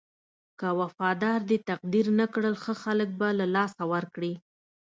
که وفادار دې تقدير نه کړل ښه خلک به له لاسه ورکړې.